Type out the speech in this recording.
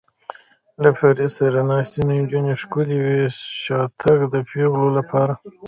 له فرید سره ناستې نجونې ښکلې وې، شاتګ د پېغلو لپاره.